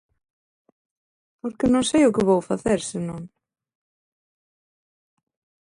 Porque non sei o que vou facer se non.